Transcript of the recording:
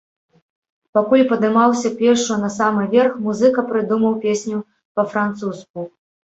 Пакуль падымаўся пешшу на самы верх, музыка прыдумаў песню па-французску.